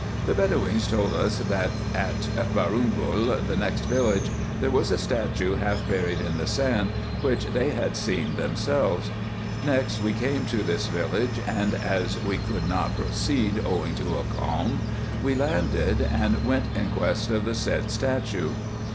The Bedoweens told us, that at Boorumbol, the next village, there was a statue half buried in the sand, which they had seen them selves. Next day we came to this village; and as we coidd not proceed, owing to a calm, we landed, and went in quest of the said statue.